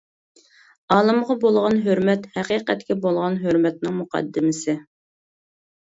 ئالىمغا بولغان ھۆرمەت، ھەقىقەتكە بولغان ھۆرمەتنىڭ مۇقەددىمىسى.